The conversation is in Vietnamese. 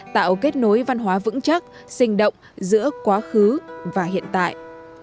tạo kết nối văn hóa vững chắc sinh động giữa quá khứ và hiện tại